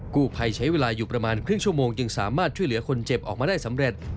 กู้ภัยใช้เวลาอยู่ประมาณครึ่งชั่วโมงจึงสามารถช่วยเหลือคนเจ็บออกมาได้สำเร็จ